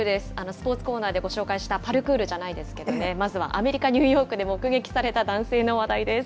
スポーツコーナーでご紹介したパルクールじゃないですけどね、まずはアメリカ・ニューヨークで目撃された男性の話題です。